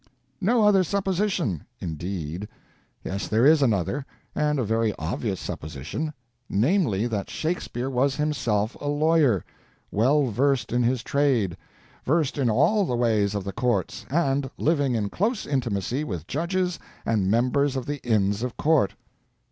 "No other supposition" indeed! Yes, there is another, and a very obvious supposition—namely, that Shakespeare was himself a lawyer, well versed in his trade, versed in all the ways of the courts, and living in close intimacy with judges and members of the Inns of Court.